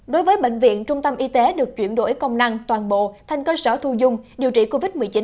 đối với bệnh viện trung tâm y tế được chuyển đổi công năng toàn bộ thành cơ sở thu dung điều trị covid một mươi chín